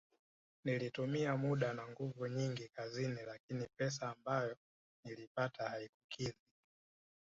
Nilitumia muda na nguvu nyingi kazini lakini pesa ambayo niliipata haikukidhi